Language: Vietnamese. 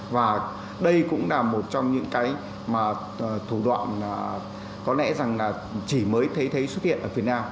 và đây cũng là một trong những cái mà thủ đoạn có lẽ rằng là chỉ mới thấy thấy xuất hiện ở việt nam